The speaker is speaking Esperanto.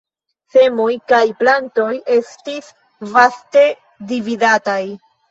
Semoj kaj plantoj estis vaste dividataj.